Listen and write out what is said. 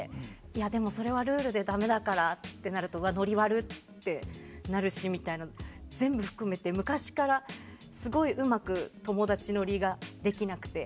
でもそれはルールでだめだからってなるとノリ悪ってなるし全部含めて昔からすごい、うまく友達ノリができなくて。